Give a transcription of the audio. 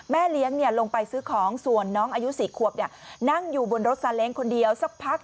เลี้ยงลงไปซื้อของส่วนน้องอายุ๔ขวบนั่งอยู่บนรถซาเล้งคนเดียวสักพัก